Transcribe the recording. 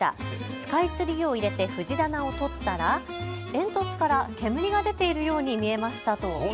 スカイツリーを入れて藤棚を撮ったら、煙突から煙が出ているように見えましたと頂きました。